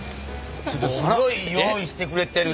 ちょっとすごい用意してくれてるよ。